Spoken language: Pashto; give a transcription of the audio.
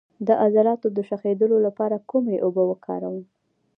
د عضلاتو د شخیدو لپاره کومې اوبه وکاروم؟